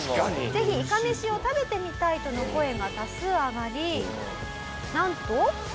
「ぜひいかめしを食べてみたい！」との声が多数上がりなんと。